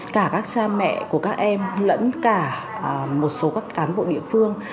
cả các cha mẹ của các em lẫn cả một số các cán bộ địa phương